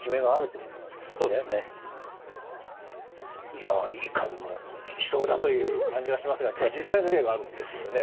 いやいかにも効きそうだという感じがしますが今日は実際の例があるんですよね？